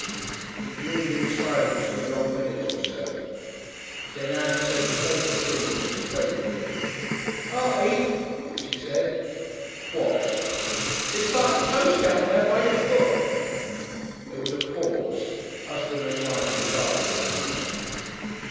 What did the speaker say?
He gloomed in silence through a long minute or so. Then Ann said the fatal thing that exploded him. "Artie!" she said. "What?" "There's Buttud Toce down there! By your foot!" There was a pause, husband and wife regarded one another.